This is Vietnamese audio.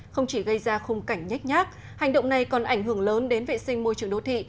không chỉ gây ra khung cảnh nhách nhác hành động này còn ảnh hưởng lớn đến vệ sinh môi trường đô thị